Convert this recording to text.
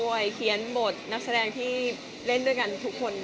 เขียนบทนักแสดงที่เล่นด้วยกันทุกคน